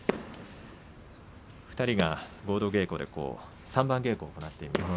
２人が合同稽古で三番稽古を行っていますね。